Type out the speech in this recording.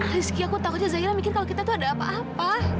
rezeki aku takutnya zaira mikir kalau kita tuh ada apa apa